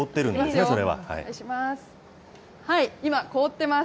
お願いします。